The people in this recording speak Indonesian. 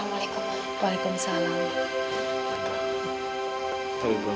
gak apa apa tante gak apa apa diam